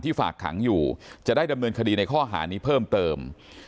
ฝากขังอยู่จะได้ดำเนินคดีในข้อหานี้เพิ่มเติม